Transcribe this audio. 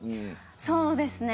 そうですね。